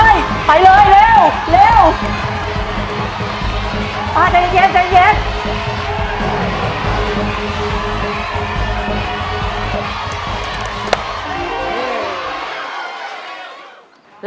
เรามาดูโบนัสหลังตู้กันนะครับว่าวันนี้จะได้โบนัสกลับไปบ้านเท่าไหร่